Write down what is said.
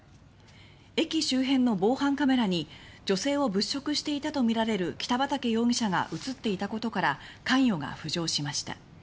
駅周辺の防犯カメラに女性を物色していたとみられる北畠容疑者が映っていたことから関与が浮上しました。